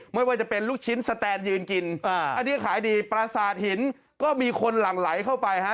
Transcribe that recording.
ไม่ว่าจะเป็นลูกชิ้นสแตนยืนกินอันนี้ขายดีประสาทหินก็มีคนหลั่งไหลเข้าไปฮะ